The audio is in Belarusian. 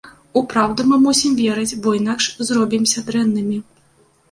У праўду мы мусім верыць, бо інакш зробімся дрэннымі.